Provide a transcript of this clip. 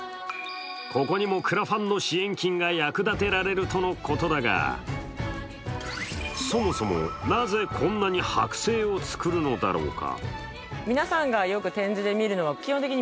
ここにも、クラファンの支援金が役立てられるとのことだがそもそもなぜこんなに剥製を作るのだろうか。